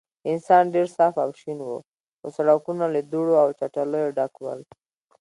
اسمان ډېر صاف او شین و، خو سړکونه له دوړو او چټلیو ډک ول.